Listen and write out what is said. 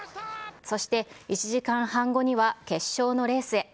そして、１時間半後には決勝のレースへ。